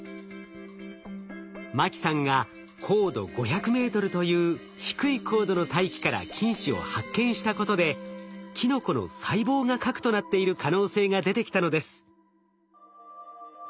牧さんが高度５００ｍという低い高度の大気から菌糸を発見したことでキノコの細胞が核となっている可能性が出てきたのです。